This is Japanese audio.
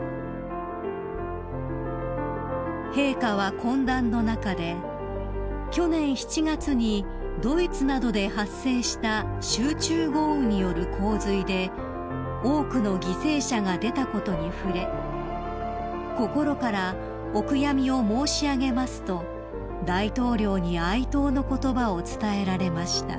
［陛下は懇談の中で去年７月にドイツなどで発生した集中豪雨による洪水で多くの犠牲者が出たことに触れ「心からお悔やみを申し上げます」と大統領に哀悼の言葉を伝えられました］